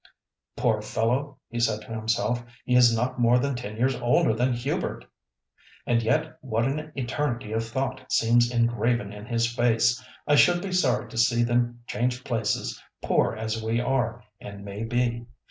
"Poor fellow!" he said to himself, "he is not more than ten years older than Hubert, and yet what an eternity of thought seems engraven in his face. I should be sorry to see them change places, poor as we are, and may be."